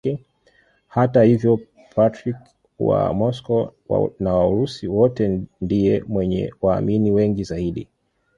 Hata hivyo Patriarki wa Moscow na wa Urusi wote ndiye mwenye waamini wengi zaidi.